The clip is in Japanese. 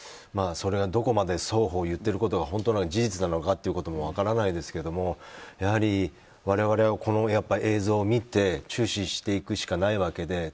それはどこまで双方言ってることが本当なのか、事実なのかということも分からないですけどやはり我々はこの映像を見て注視していくしかないわけで。